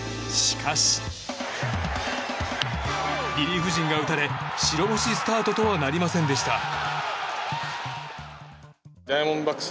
しかし、リリーフ陣が打たれ白星スタートとはなりませんでした。